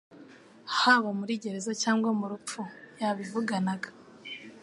haba muri gereza cyangwa mu rupfu yabivuganaga .